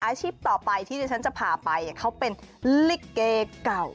อาชีพต่อไปที่ที่ฉันจะพาไปเขาเป็นลิเกเก่า